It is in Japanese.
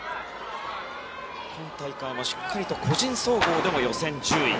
今大会はしっかりと個人総合でも予選１０位。